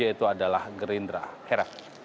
yaitu adalah gerindra hera